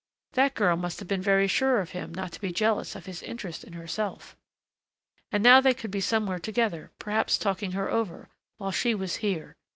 That girl must have been very sure of him not to be jealous of his interest in herself! And now they could be somewhere together, perhaps talking her over, while she was here ...